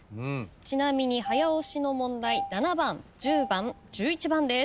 ちなみに早押しの問題７番１０番１１番です。